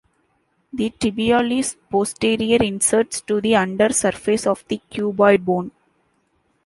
The tibialis posterior inserts to the under surface of the cuboid bone.